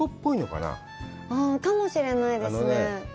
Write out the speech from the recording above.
かもしれないですね。